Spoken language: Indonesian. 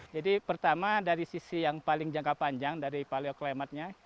jadi pertama dari sisi yang paling jangka panjang dari paleoklimatnya